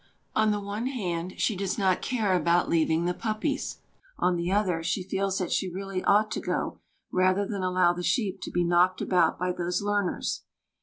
On the one hand, she does not care about leaving the puppies, on the other, she feels that she really ought to go rather than allow the sheep to be knocked about by those learners.